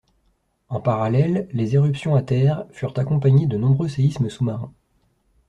En parallèle, les éruptions à terre furent accompagnées de nombreux séismes sous-marins.